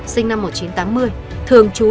sinh năm một nghìn chín trăm tám mươi thường trú